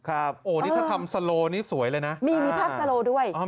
ครับอ๋อนี่ถ้าทำสโลนี่สวยเลยนะอ่ามีภาพสโลด้วย